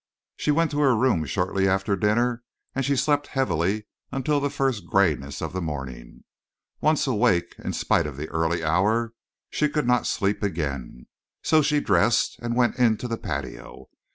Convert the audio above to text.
She went to her room shortly after dinner, and she slept heavily until the first grayness of the morning. Once awake, in spite of the early hour, she could not sleep again, so she dressed and went into the patio.